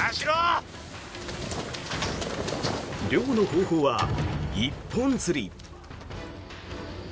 漁の方法は一本釣り。